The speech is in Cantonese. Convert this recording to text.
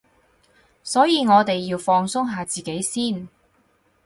所以我哋要放鬆下自己先